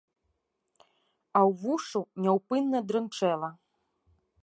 А ўвушшу няўпынна дрынчэла.